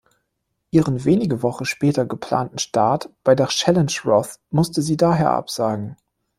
Ihren wenige Wochen später geplanten Start bei der Challenge Roth musste sie daher absagen.